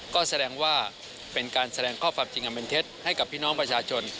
ก็แสดงว่าเป็นการแสดงข้อความจริงอันเป็นเท็จให้กับพี่น้องประชาชน